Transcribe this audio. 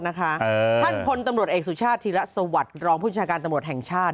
ท่านพลตำรวจเอกสุชาติธิระสวัสดิ์รองผู้จัดการตำรวจแห่งชาติ